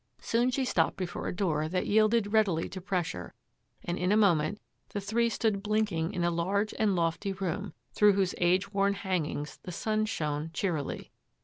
Soon she stopped before a door that yielded readily to pressure, and, in a moment, the three stood blinking in a large and lofty room, through whose age worn hangings the sun shone cheerily.